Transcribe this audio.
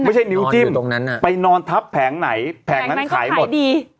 ไม่ใช่นิ้วจิ้มตรงนั้นไปนอนทับแผงไหนแผงนั้นขายหมดดี